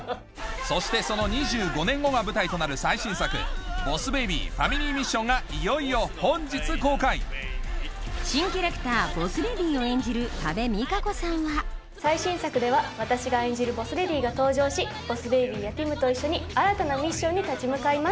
そしてその２５年後が舞台となる最新作『ボス・ベイビーファミリー・ミッション』がいよいよ本日公開新キャラクターボス・レディを演じる多部未華子さんは最新作では私が演じるボス・レディが登場しボス・ベイビーやティムと一緒に新たなミッションに立ち向かいます。